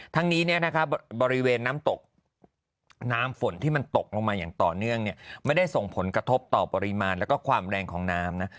ทั้งนี้บริเวณน้ำตกน้ำฝนที่มันตกลงมาอย่างต่อเนื่องไม่ได้ส่งผลกระทบต่อปริมาณแล้วก็ความแรงของน้ำนะ